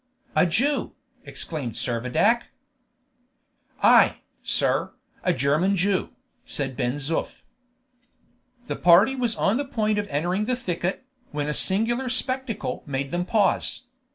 "A Jew!" exclaimed Servadac. "Ay, sir, a German Jew," said Ben Zoof. The party was on the point of entering the thicket, when a singular spectacle made them pause.